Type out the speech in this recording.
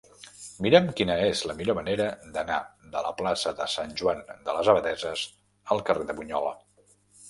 Mira'm quina és la millor manera d'anar de la plaça de Sant Joan de les Abadesses al carrer de Bunyola.